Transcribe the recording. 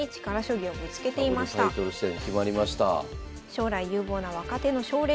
将来有望な若手の奨励